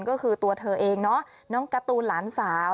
ก็คือตัวเธอเองเนาะน้องการ์ตูนหลานสาว